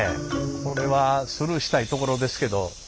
これはスルーしたいところですけど。